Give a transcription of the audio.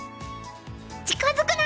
近づくな！